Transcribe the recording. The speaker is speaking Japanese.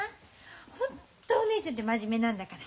ホントお姉ちゃんって真面目なんだから。